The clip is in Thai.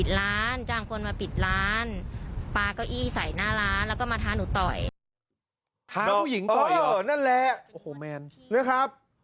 ท้าผู้หญิงต่อยเหรอโอ้โฮนั่นแหละนะครับ